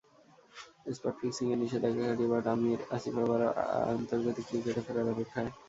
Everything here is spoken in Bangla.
স্পট ফিক্সিংয়ের নিষেধাজ্ঞা কাটিয়ে বাট, আমির, আসিফ আবারও আন্তর্জাতিক ক্রিকেটে ফেরার অপেক্ষায়।